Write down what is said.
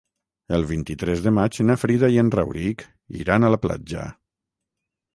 El vint-i-tres de maig na Frida i en Rauric iran a la platja.